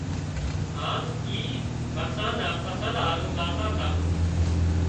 هانَ اي مرسان نا فصل هارو زاتا تا